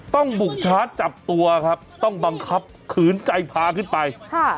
ต้องบุกชาร์จจับตัวครับต้องบังคับขืนใจพาขึ้นไปค่ะ